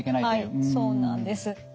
はいそうなんです。